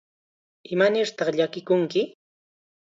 ¿Imanirtaq llakikunki?